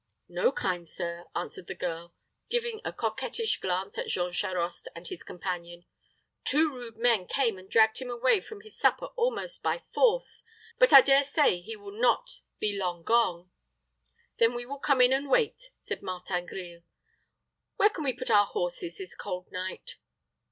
"No, kind sir," answered the girl, giving a coquettish glance at Jean Charost and his companion. "Two rude men came and dragged him away from his supper almost by force; but I dare say he will not be long gone." "Then we will come in and wait," said Mar tin Grille. "Where can we put our horses this cold night?"